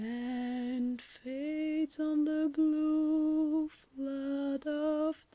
And fades on the blue flood of day.